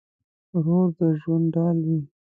ورور د ژوند ډال وي.